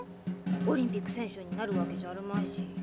オリンピック選手になるわけじゃあるまいし。